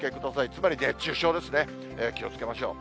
つまり熱中症ですね、気をつけましょう。